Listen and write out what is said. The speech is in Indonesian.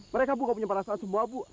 mereka pun nggak punya perasaan semua bu